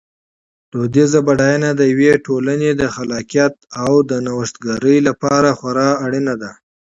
فرهنګي بډاینه د یوې ټولنې د خلاقیت او د نوښتګرۍ لپاره خورا اړینه ده.